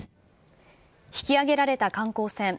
引き揚げられた観光船